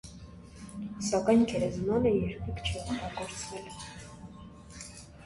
Սակայն գերեզմանը երբեք չի օգտագործվել։